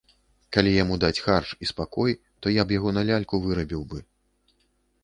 Калі яму даць харч і спакой, то я б яго на ляльку вырабіў бы.